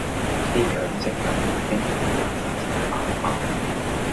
啲強積金已經蝕得七七八八